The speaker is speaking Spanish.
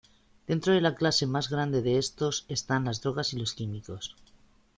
Dentro de la clase más grande de estos están las drogas y los químicos.